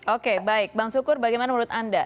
oke baik bang sukur bagaimana menurut anda